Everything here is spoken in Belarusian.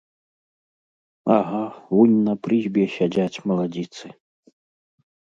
Ага, вунь на прызбе сядзяць маладзіцы.